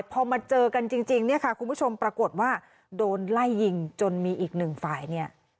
พอมาเจอกันจริงเนี่ยค่ะคุณผู้ชมปรากฏว่าโดนไล่ยิงจนมีอีกหนึ่งฝ่ายเนี่ย